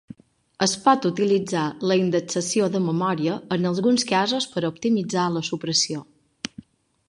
Es pot utilitzar la indexació de memòria en alguns casos per optimitzar la supressió.